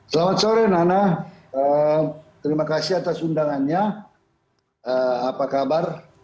selamat sore nana terima kasih atas undangannya apa kabar